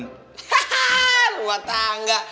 hahaha rumah tangga